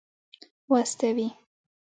واستوي.